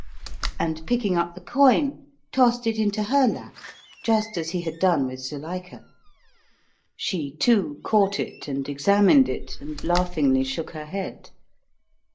And, picking up the coin, tossed it into her lap just as he had done with Zuilika. She, too, caught it and examined it, and laughingly shook her head.